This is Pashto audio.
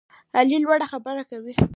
علي لوړې خبرې کوي.